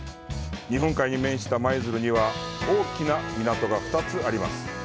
日本海に面した舞鶴には大きな港が２つあります。